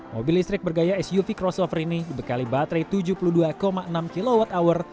mobil listrik bergaya suv crossover ini dibekali baterai tujuh puluh dua enam kwh